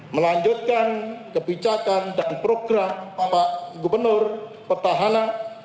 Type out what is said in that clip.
melanjutkan kebijakan dan program bapak gubernur petahana